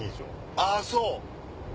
あっそう？